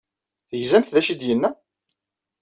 Tegzamt d acu ay d-yenna?